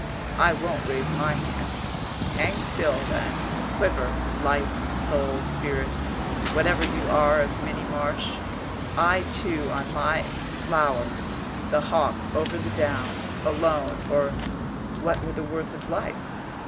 I won't raise my hand. Hang still, then, quiver, life, soul, spirit, whatever you are of Minnie Marsh I, too, on my flower the hawk over the down alone, or what were the worth of life?